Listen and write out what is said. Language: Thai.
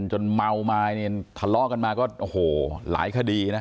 จนเมาไม้เนี่ยทะเลาะกันมาก็โอ้โหหลายคดีนะ